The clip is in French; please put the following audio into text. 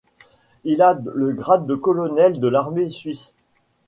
Il a le grade de colonel de l'armée suisse.